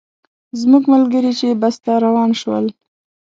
زموږ ملګري چې بس ته روان شول.